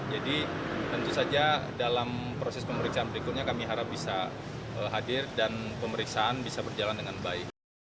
jadi tentu saja dalam proses pemeriksaan berikutnya kami harap bisa hadir dan pemeriksaan bisa berjalan dengan baik